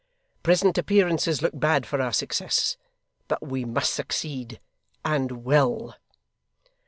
Present appearances look bad for our success, but we must succeed and will!